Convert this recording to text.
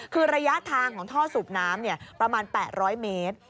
คือระยะทางของท่อสูบน้ำประมาณ๘๐๐เมตร